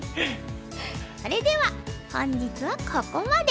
それでは本日はここまで。